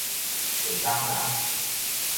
下港人